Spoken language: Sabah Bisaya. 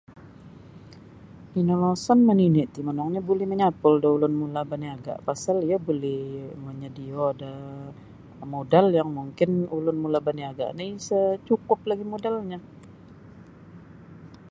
Inoloson manini' ti monongnyo buli manyapul da ulun mula' baniaga' pasal iyo buli monyodio da modal yang mungkin ulun mula' baniaga' no isa' cukup lagi' modalnyo.